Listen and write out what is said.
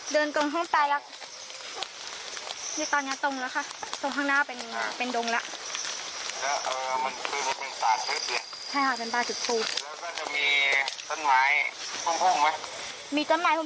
เพราะว่าเนี่ยตลาดเกียรติอยู่บ้าง